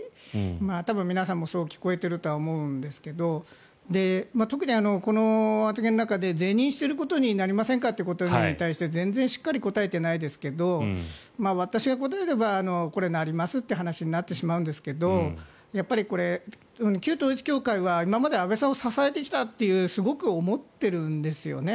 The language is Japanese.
多分皆さんもそう聞こえているとは思うんですが特にこの発言の中で是認することになりませんかということに対して全然しっかり答えていないですが私が答えればこれはなりますって話になってしまうんですけどやっぱり旧統一教会は今まで安倍さんを支えてきたとすごく思ってるんですよね。